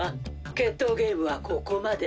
決闘ゲームはここまで。